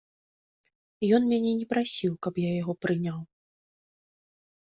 Ён мяне не прасіў, каб я яго прыняў.